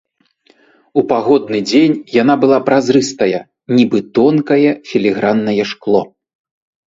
У пагодны дзень яна была празрыстая, нібы тонкае філіграннае шкло.